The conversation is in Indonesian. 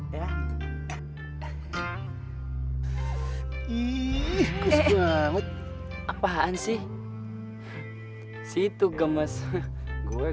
ih ih ih apaan sih situ gemes gue